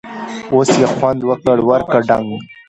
اوس یې خوند وکړ٬ ورکه ډنګ!